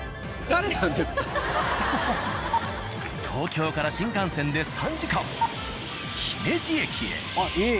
東京から新幹線で３時間姫路駅へ。